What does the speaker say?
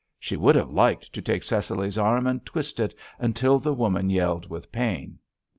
She would have liked to take Cecily's arm and twist it until the woman yelled with pain.